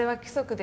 で